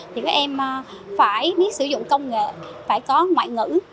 thì các em phải biết sử dụng công nghệ phải có ngoại ngữ